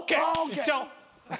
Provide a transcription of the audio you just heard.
いっちゃおう。